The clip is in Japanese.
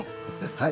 はい。